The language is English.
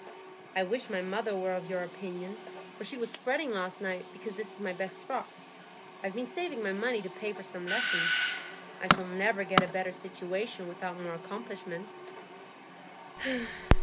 "I wish my mother were of your opinion, for she was fretting last night because this is my best frock. I've been saving my money to pay for some lessons; I shall never get a better situation without more accomplishments."